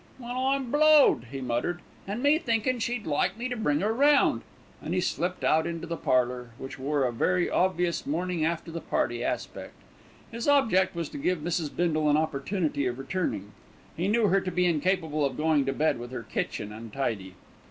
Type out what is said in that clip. "Well, I'm blowed!" he muttered. "An' me thinkin' she'd like me to bring 'er round," and he slipped out into the parlour, which wore a very obvious morning after the party aspect. His object was to give Mrs. Bindle an opportunity of returning. He knew her to be incapable of going to bed with her kitchen untidy.